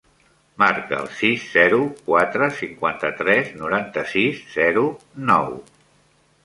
Marca el sis, zero, quatre, cinquanta-tres, noranta-sis, zero, nou.